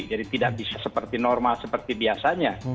jadi tidak bisa seperti normal seperti biasanya